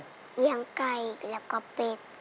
เลี้ยงไก่แล้วก็เป็ด